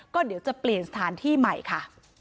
ก็เดี๋ยวจะเปลี่ยนสถานที่ใหม่ค่ะ